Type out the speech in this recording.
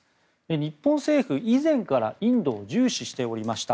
日本政府、以前からインドを重視しておりました。